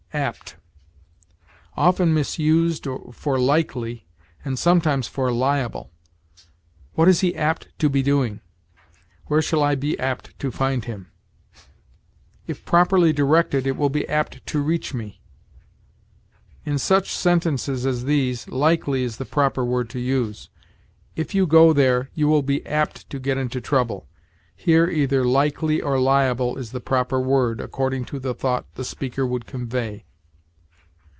APT. Often misused for likely, and sometimes for liable. "What is he apt to be doing?" "Where shall I be apt to find him?" "If properly directed, it will be apt to reach me." In such sentences as these, likely is the proper word to use. "If you go there, you will be apt to get into trouble." Here either likely or liable is the proper word, according to the thought the speaker would convey.